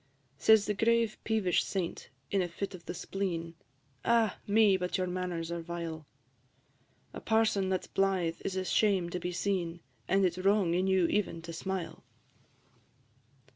Says the grave peevish Saint, in a fit of the spleen, "Ah! me, but your manners are vile: A parson that 's blythe is a shame to be seen, And it 's wrong in you even to smile."